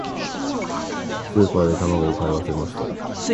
スーパーで卵を買い忘れました。